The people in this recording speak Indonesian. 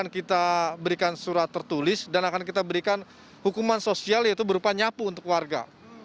kita berikan surat tertulis dan akan kita berikan hukuman sosial yaitu berupa nyapu untuk warga